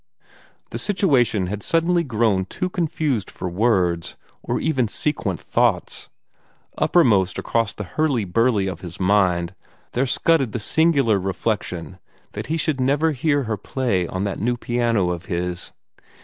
The situation had suddenly grown too confused for words, or even sequent thoughts. Uppermost across the hurly burly of his mind there scudded the singular reflection that he should never hear her play on that new piano of his.